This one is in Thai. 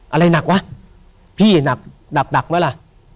อะไรหนักวะพี่หนักมาล่ะ